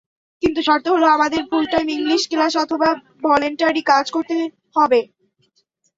কিন্তু শর্ত হলো আমাদের ফুলটাইম ইংলিশ ক্লাস অথবা ভলেন্টারি কাজ করতে হবে।